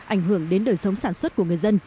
ảnh hưởng đến đời sống sản xuất của người dân